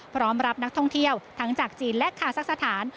พร้อมรับนักท่องเที่ยวทั้งจากจีนและคาซักสถาน